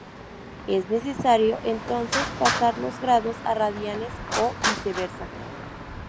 Es necesario, entonces, pasar los grados a radianes o viceversa.